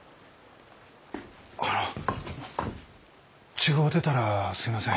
あの違うてたらすいません。